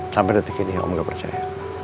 sampai detik ini om gak percaya